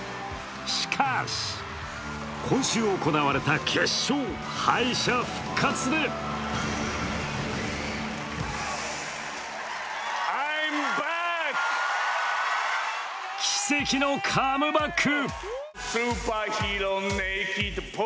しかし、今週行われた決勝、敗者復活で奇跡のカムバック！